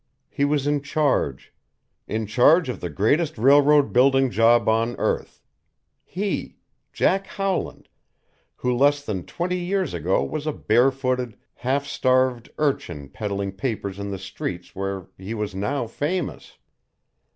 He was in charge in charge of the greatest railroad building job on earth he, Jack Howland, who less than twenty years ago was a barefooted, half starved urchin peddling papers in the streets where he was now famous!